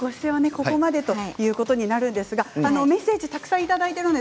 ここまでということなりますがメッセージをいただいています。